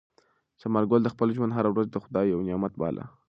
ثمر ګل د خپل ژوند هره ورځ د خدای یو نعمت باله.